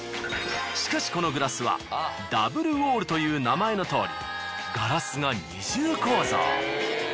しかしこのグラスはダブルウォールという名前のとおりガラスが二重構造。